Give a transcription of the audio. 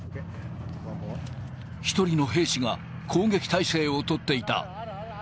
一人の兵士が攻撃態勢を取っていた。